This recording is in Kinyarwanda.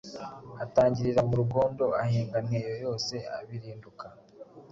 Atangirira mu Rugondo, ahinga Ntenyo yose, abirinduka